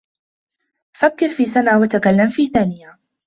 فكر في سنة وتكلم في ثانية.